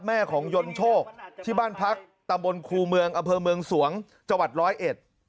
แม่ของยนต์โชคที่บ้านพักตำบลครูเมืองอเภอเมืองสวงจังหวัดร้อยเอ็ด